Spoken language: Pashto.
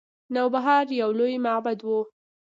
نوبهار یو لوی معبد و